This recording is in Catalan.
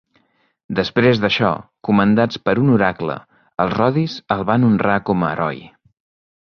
Després d'això, comandats per un oracle, els rodis el van honrar com a heroi.